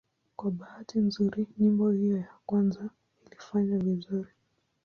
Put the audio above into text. Kwa bahati nzuri nyimbo hiyo ya kwanza ilifanya vizuri.